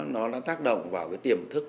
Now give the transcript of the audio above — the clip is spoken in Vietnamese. nó đã tác động vào cái tiềm thức